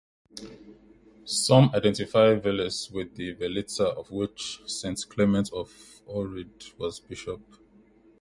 Some identify Veles with the Velitza of which Saint Clement of Ohrid was bishop.